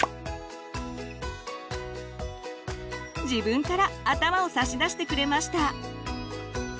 自分から頭を差し出してくれました。